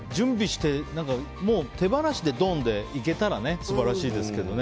もう手放しでドンでいけたら素晴らしいですけどね。